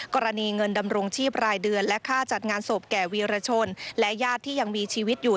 กรณีเงินดำรงชีพรายเดือนและค่าจัดงานศพแก่วีรชนและญาติที่ยังมีชีวิตอยู่